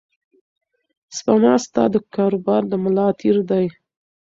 سپما ستا د کاروبار د ملا تیر دی.